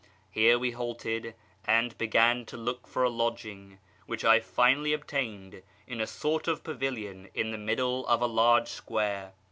Here we halted, and began to look for a lodging, which I finally obtained in a sort of pavilion in the middle of a large square.